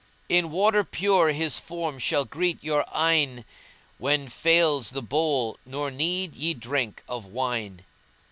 In water pure his form shall greet your eyne * When fails the bowl nor need ye drink of wine.